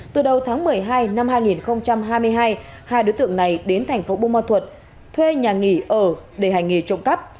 từ đầu tháng một mươi hai năm hai nghìn hai mươi hai hai đối tượng này đến thành phố bô ma thuật thuê nhà nghỉ ở để hành nghề trộm cắp